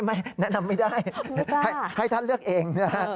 ให้ท่านเลือกเองนะครับ